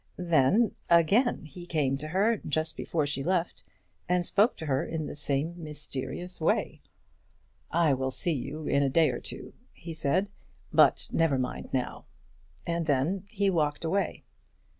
Then again he came to her just before she left, and spoke to her in the same mysterious way: "I will see you in a day or two," he said, "but never mind now;" and then he walked away.